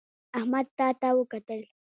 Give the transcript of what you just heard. احمد تا ته وکتل